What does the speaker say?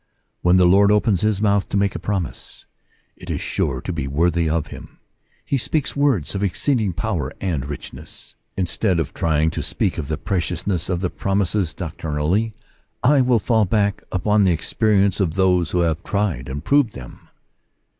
When the lord opens his mouth to make a promise, it is sure to be worthy of him : he speaks words of exceeding power and richness. Instead of trying to speak of the preciousness of the promises doctrinally, I will fall back upon the experience of those who have tried and proved them.